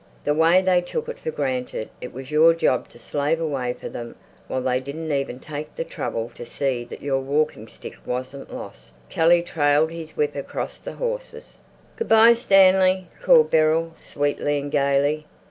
The way they took it for granted it was your job to slave away for them while they didn't even take the trouble to see that your walking stick wasn't lost. Kelly trailed his whip across the horses. "Good bye, Stanley," called Beryl, sweetly and gaily.